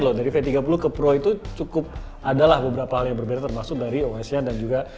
loh dari v tiga puluh ke pro itu cukup adalah beberapa hal yang berbeda termasuk dari osc dan juga